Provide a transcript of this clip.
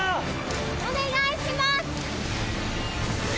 お願いします！